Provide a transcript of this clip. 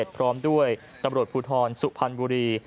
พร้อมด้วยตำรวจภูทรสุพรรณบุรี